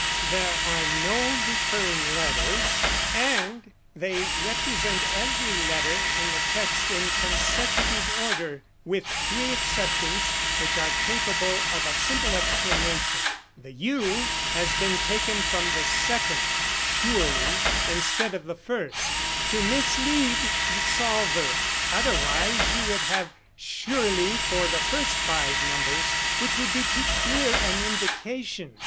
There are no recurring letters, and they represent every letter in the text in consecutive order, with three exceptions which are capable of a simple explanation. The U has been taken from the second 'surely' instead of the first, to mislead the solver. Otherwise you would have surely for the first five numbers, which would be too clear an indication.